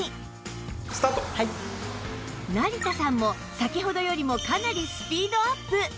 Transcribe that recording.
成田さんも先ほどよりもかなりスピードアップ